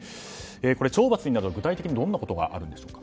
これ懲罰になると具体的にどんなことがあるんでしょう。